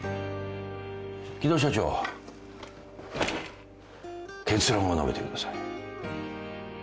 城戸社長結論を述べてください。